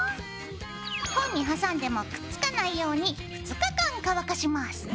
本に挟んでもくっつかないように２日間乾かします。